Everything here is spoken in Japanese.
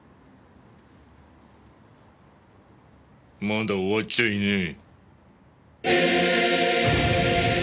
まだ終わっちゃいねえ。